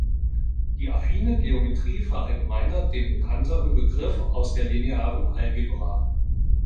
Die affine Geometrie verallgemeinert den bekannteren Begriff aus der Linearen Algebra.